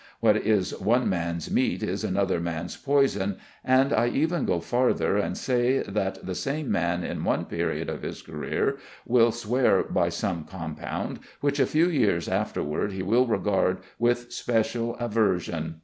What is one man's meat is another man's poison, and I even go farther and say, that the same man at one period of his career will swear by some compound which a few years afterward he will regard with special aversion.